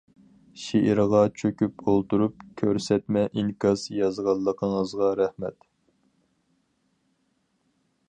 شېئىرغا چۆكۈپ ئولتۇرۇپ، كۆرسەتمە ئىنكاس يازغانلىقىڭىزغا رەھمەت.